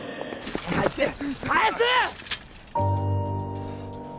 返せ返せ！